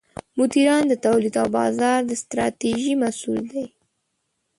مدیران د تولید او بازار د ستراتیژۍ مسوول دي.